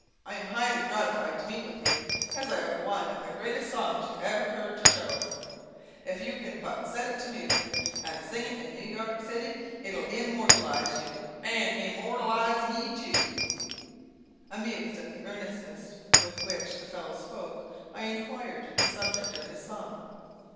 I am highly gratified to meet with you, as I have one of the greatest songs you ever he'rd to show you. If you can but set it to music, and sing it in New York city, it will immortalize you, and immortalize me tew." Amused at the earnestness with which the fellow spoke, I inquired the subject of his song.